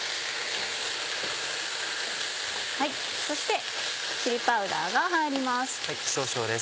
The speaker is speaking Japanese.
そしてチリパウダーが入ります。